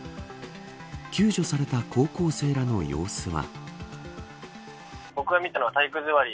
救助された高校生らの様子は。